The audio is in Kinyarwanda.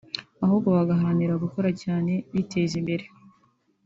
ahubwo bagaharanira gukora cyane biteza imbere